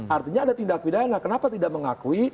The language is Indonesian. artinya ada tindak pidana kenapa tidak mengakui